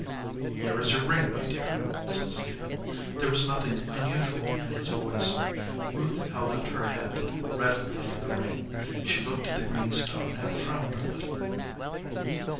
"Here is your ring, my dear/ said Stephen. There was nothing unusual in his voice. Ruth held out her hand readily for the ring. She looked at the green stone and frowned a little.